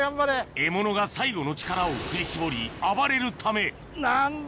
獲物が最後の力を振り絞り暴れるため何だ？